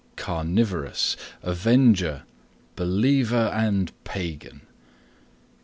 Carnivorous, avenger, believer and pagan.